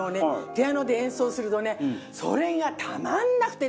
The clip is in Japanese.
ピアノで演奏するとねそれがたまんなくてね！